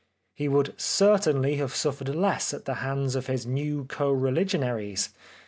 He would certainly have suffered less at the hands of his new co religion aries.